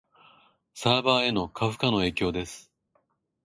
サーバへの過負荷の影響です